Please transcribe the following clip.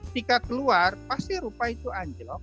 ketika keluar pasti rupiah itu anjlok